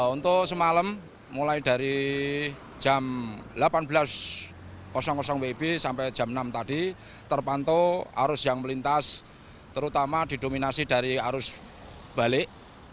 untuk semalam mulai dari jam delapan belas wib sampai jam enam tadi terpantau arus yang melintas terutama didominasi dari arus balik